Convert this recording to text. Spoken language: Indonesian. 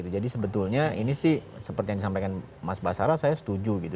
jadi sebetulnya ini sih seperti yang disampaikan mas basara saya setuju gitu